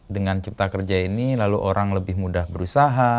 dengan cipta kerja ini lalu orang lebih mudah berusaha